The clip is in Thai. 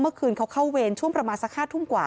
เมื่อคืนเขาเข้าเวรช่วงประมาณสัก๕ทุ่มกว่า